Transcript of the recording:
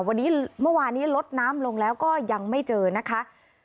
วันนี้เมื่อวานนี้ลดน้ำลงแล้วก็ยังไม่เจอนะคะ